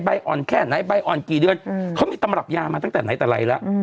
อ่อนแค่ไหนใบอ่อนกี่เดือนเขามีตำรับยามาตั้งแต่ไหนแต่ไรแล้ว